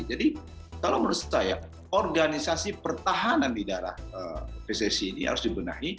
jadi kalau menurut saya organisasi pertahanan di daerah pcc ini harus dibenahi